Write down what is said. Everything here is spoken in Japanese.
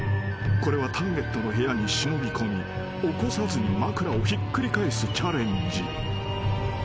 これはターゲットの部屋に忍び込み起こさずに枕をひっくり返すチャレンジ］